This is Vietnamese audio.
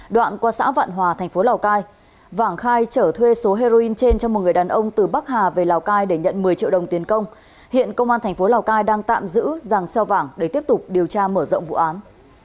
đoạn qua xã vạn hòa thành phố lào cai vàng khai trở thuê số heroin trên cho một người đàn ông từ bắc hà về lào cai để nhận một mươi triệu đồng tiền công hiện công an thành phố lào cai đang tạm giữ giàng xeo vàng để tiếp tục điều tra mở rộng vụ án